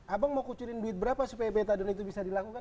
abang mau kucurin duit berapa supaya metadul itu bisa dilakukan